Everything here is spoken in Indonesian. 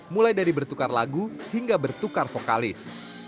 mulai dari bertukar lagu hingga bertukar vokalis